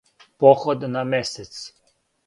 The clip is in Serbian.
Поход на месец.